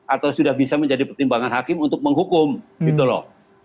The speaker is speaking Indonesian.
atau sudah bisa menjadi pertimbangan hakim untuk menghukum gitu loh